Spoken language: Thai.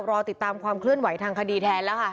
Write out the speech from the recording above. รอติดตามความเคลื่อนไหวทางคดีแทนแล้วค่ะ